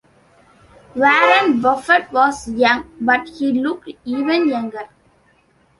Warren Buffett was young, but he looked even younger.